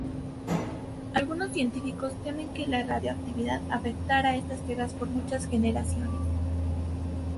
Algunos científicos temen que la radiactividad afectará estas tierras por muchas generaciones.